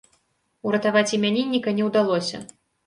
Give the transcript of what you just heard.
Уратаваць імянінніка не ўдалося.